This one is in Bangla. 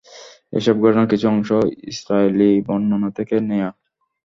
এসব ঘটনার কিছু অংশ ইসরাঈলী বর্ণনা থেকে নেয়া।